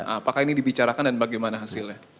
apakah ini dibicarakan dan bagaimana hasilnya